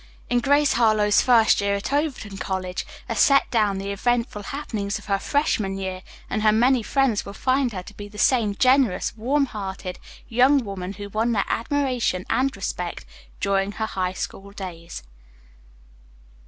In "Grace Harlowe's First Year at Overton College" are set down the eventful happenings of her freshman year, and her many friends will find her to be the same generous, warm hearted young woman who won their admiration and respect during her High School days.